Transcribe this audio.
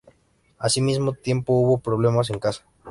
Al mismo tiempo, hubo problemas en casa.